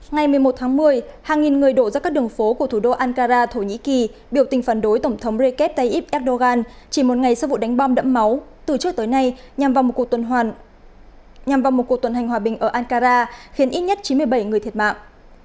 ngày một mươi một tháng một mươi hàng nghìn người đổ ra các đường phố của thủ đô ankara thổ nhĩ kỳ biểu tình phản đối tổng thống recep tayyip erdogan chỉ một ngày sau vụ đánh bom đẫm máu từ trước tới nay nhằm vòng một cuộc tuần hành hòa bình ở ankara khiến ít nhất chín mươi bảy người thiệt mạng